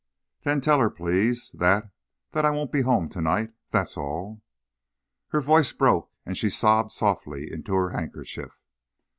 Then tell her, please, that that I won't be home tonight. That's all." Her voice broke and she sobbed softly in her handkerchief.